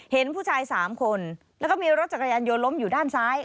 เห็นผู้ชาย๓คนแล้วก็มีรถจักรยานโยนล้มอยู่ด้านซ้าย